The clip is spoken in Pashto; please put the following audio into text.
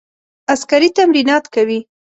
عسکري تمرینات کوي.